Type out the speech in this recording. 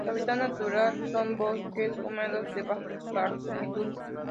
Su hábitat natural son: bosques húmedos de baja altitud.